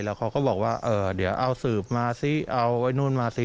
แล้วเขาก็บอกว่าเดี๋ยวเอาสืบมาซิเอาไว้นู่นมาสิ